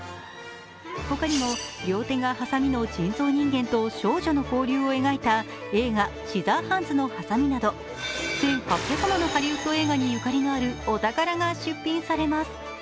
他にも、両手がはさみの人造人間と少女の交流を描いた映画「シザーハンズ」のはさみなど１８００ものハリウッド映画にゆかりのあるお宝が出品されます。